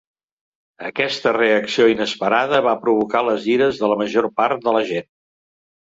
Aquesta reacció inesperada va provocar les ires de la major part de la gent.